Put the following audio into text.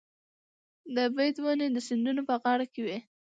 د بید ونې د سیندونو په غاړه وي.